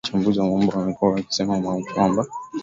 lakini wachambuzi wa mambo wamekuwa wakisema kwamba